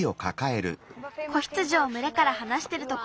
子羊をむれからはなしてるとこ。